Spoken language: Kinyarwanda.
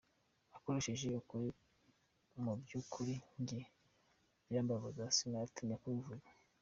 akoresheje ukuri mu byukuri? Njye birambabaza sinatinya kubivuga.